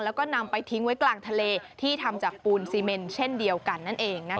แล้วก็นำไปทิ้งไว้กลางทะเลที่ทำจากปูนซีเมนเช่นเดียวกันนั่นเอง